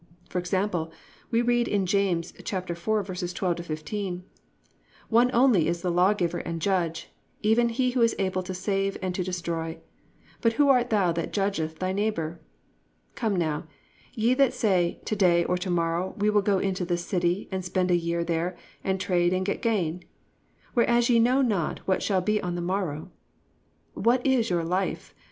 For example, we read in Jas. 4:12 15: +"One only is the lawgiver and judge, even he who is able to save and to destroy: But who art thou that judgest thy neighbour? (13) Come now, ye that say, to day or to morrow we will go into this city, and spend a year there, and trade, and get gain: (14) Whereas ye know not what shall be on the morrow. What is your life?